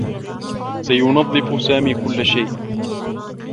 سينظّف سامي كلّ شيء.